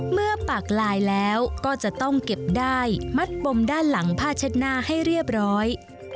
ปากลายแล้วก็จะต้องเก็บได้มัดปมด้านหลังผ้าเช็ดหน้าให้เรียบร้อย